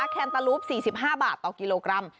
แคนตาลูป๔๕บาทต่อกิโลกรัม